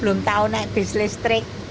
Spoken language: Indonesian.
belum tahu naik bis listrik